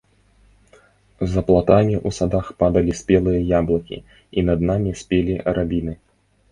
За платамі ў садах падалі спелыя яблыкі, і над намі спелі рабіны.